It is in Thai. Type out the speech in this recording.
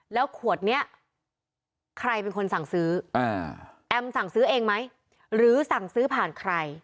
แล้วขวดนี้ใครเป็นคนสั่งซื้อแอมสั่งซื้อเองไหมหรือสั่งซื้อผ่านใคร